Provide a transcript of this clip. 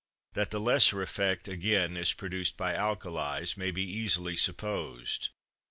That the lesser effect, again, is produced by alkalis, may be easily supposed.